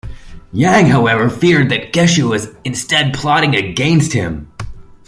Yang, however, feared that Geshu was instead plotting against him.